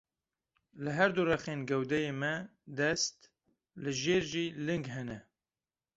Li her du rexên gewdeyê me dest, li jêr jî ling hene.